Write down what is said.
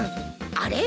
あれ？